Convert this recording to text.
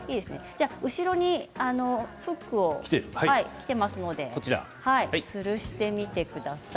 後ろにフックがありますので、つるしてみてください。